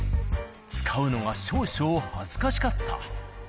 使うのが少々恥ずかしかった。